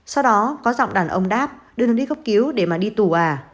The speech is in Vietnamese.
sau đó có giọng đàn ông đáp đưa nó đi cấp cứu để mà đi tù à